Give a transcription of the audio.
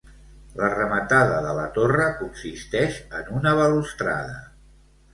La rematada de la torre consisteix en una balustrada.